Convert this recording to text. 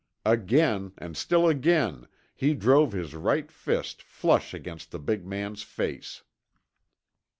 Again, and still again, he drove his right fist flush against the big man's face.